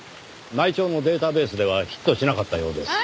内調のデータベースではヒットしなかったようです。